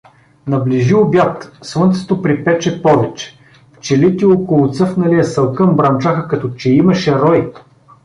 Наближи обяд, слънцето припече повече, пчелите около цъфналия салкъм бръмчаха като че имаше рой.